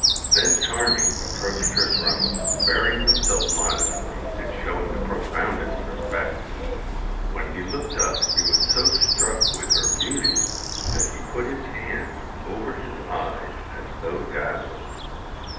Then Charming approached her throne, bearing himself modestly, and showing the profoundest respect. When he looked up he was so struck with her beauty that he put his hand over his eyes as though dazzled.